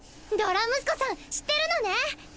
ドラムスコさん知ってるのね？